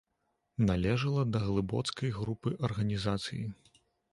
Належала да глыбоцкай групы арганізацыі.